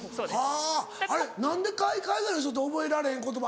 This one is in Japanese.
はぁ何で海外の人って覚えられへん言葉。